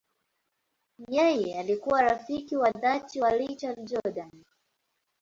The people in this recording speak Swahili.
Yeye alikuwa rafiki wa dhati wa Richard Jordan.